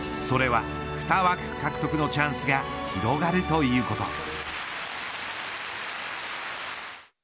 それは２枠獲得のチャンスが広がるということ。